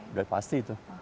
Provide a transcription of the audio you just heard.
sudah pasti itu